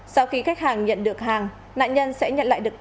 sau khi khách hàng nhận được hàng nạn nhân sẽ nhận lệnh